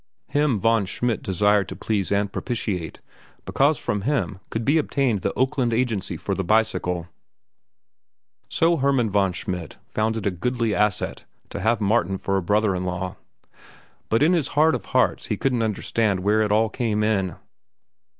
Him Von Schmidt desired to please and propitiate because from him could be obtained the Oakland agency for the bicycle. So Hermann von Schmidt found it a goodly asset to have Martin for a brother in law, but in his heart of hearts he couldn't understand where it all came in.